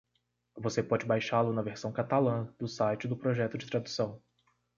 Você pode baixá-lo na versão catalã do site do projeto de tradução.